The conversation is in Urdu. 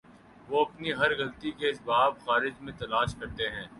وہ اپنی ہر غلطی کے اسباب خارج میں تلاش کرتے ہیں۔